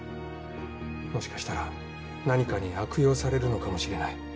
もしかしたら何かに悪用されるのかもしれない。